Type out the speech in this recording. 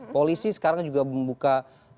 polisi sekarang juga membuka